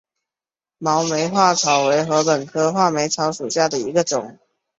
毛画眉草为禾本科画眉草属下的一个种。